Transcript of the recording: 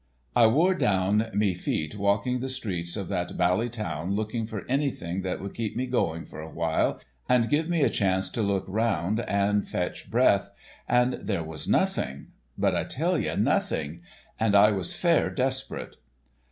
I wore down me feet walking the streets of that bally town looking for anything that would keep me going for a while, and give me a chance to look around and fetch breath, and there was nothing, but I tell ye nothing, and I was fair desperate.